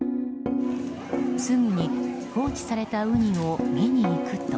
すぐに放置されたウニを見に行くと。